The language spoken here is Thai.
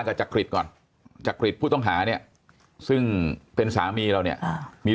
จากจักริตก่อนจักริตผู้ต้องหาเนี่ยซึ่งเป็นสามีเราเนี่ยมี